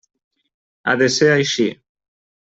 Ha de ser així.